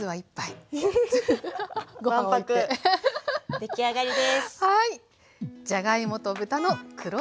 出来上がりです。